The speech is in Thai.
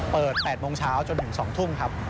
เปิด๘โมงเช้าจนถึง๒ทุ่มครับ